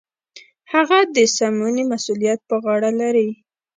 هغه د سمونې مسوولیت په غاړه لري.